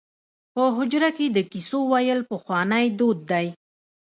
په حجره کې د کیسو ویل پخوانی دود دی.